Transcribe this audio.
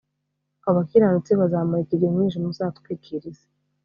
abo bakiranutsi bazamurika igihe umwijima uzatwikira isi